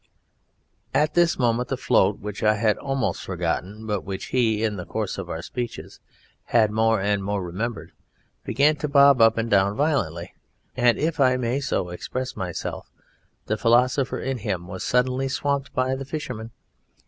At this moment the float, which I had almost forgotten but which he in the course of our speeches had more and more remembered, began to bob up and down violently, and, if I may so express myself, the Philosopher in him was suddenly swamped by the Fisherman.